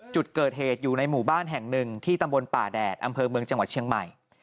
จุดเกิดเหตุอยู่ในหมู่บ้านแห่งหนึ่งที่ตำบลป่าแดดอำเภอเมืองจังหวัดเชียงใหม่